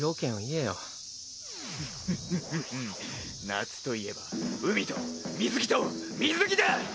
夏といえば海と水着と水着だ！